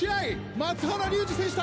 松原龍二選手対